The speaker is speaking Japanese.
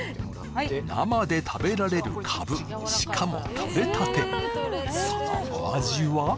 生で食べられるカブしかもとれたてそのお味は？